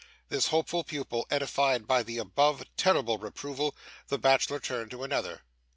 This hopeful pupil edified by the above terrible reproval, the bachelor turned to another.